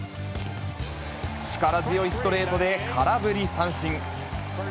力強いストレートで空振り三振。